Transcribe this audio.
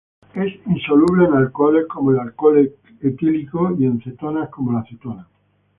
Es insoluble en alcoholes como el alcohol etílico y en cetonas como la acetona.